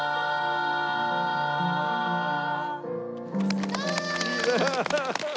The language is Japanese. すごい！